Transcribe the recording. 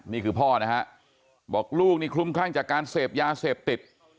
นี่คือพ่อนะฮะบอกลูกนี่คลุมคลั่งจากการเสพยาเสพติด